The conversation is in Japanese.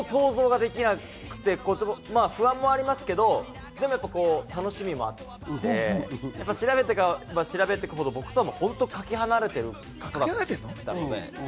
何も想像ができなくて不安もありますけど、楽しみもあって、調べていけば調べていくほど、僕とはかけ離れている方だったので。